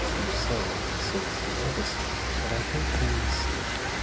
Rousseau asserts the opposite, but I think him mistaken.